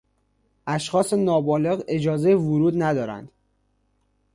اشخاص نابالغ اجازهی ورود ندارند.